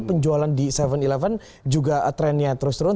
penjualan di tujuh sebelas juga trennya terus terusan